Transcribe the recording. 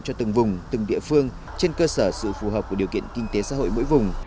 cho từng vùng từng địa phương trên cơ sở sự phù hợp của điều kiện kinh tế xã hội mỗi vùng